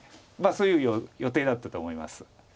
そういう予定だったと思います。